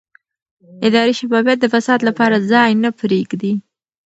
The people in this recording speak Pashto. اداري شفافیت د فساد لپاره ځای نه پرېږدي